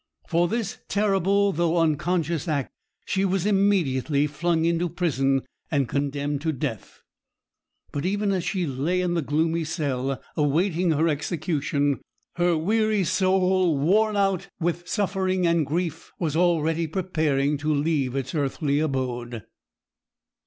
For this terrible, though unconscious act, she was immediately flung into prison and condemned to death; but even as she lay in the gloomy cell awaiting her execution, her weary soul, worn out with suffering and grief, was already preparing to leave its earthly abode.